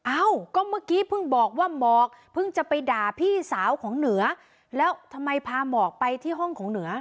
เอ้าก็เมื่อกี้เพิ่งบอกว่าหมอกเพิ่งจะไปด่าพี่สาวของเหนือแล้วทำไมพาหมอกไปที่ห้องของเหนือ